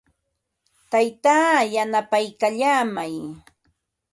Taytaa yanapaykallaamay.